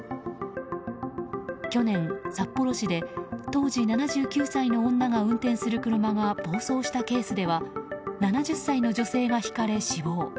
去年、札幌市で当時７９歳の女が運転する車が暴走したケースでは７０歳の女性がひかれ、死亡。